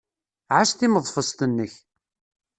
Ɛass timeḍfest-nnek.